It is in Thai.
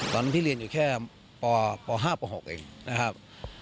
พี่เรียนอยู่แค่ป๕ป๖เองนะครับ